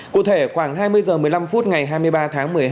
cụ thể khoảng hai mươi h một mươi năm phút ngày hai mươi ba tháng một mươi hai